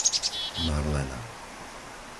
Marlena